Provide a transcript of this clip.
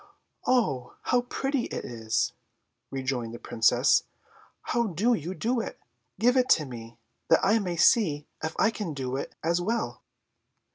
"Oh, how pretty it is!" rejoined the Princess. "How do you do it? Give it to me, that I may see if I can do it as well."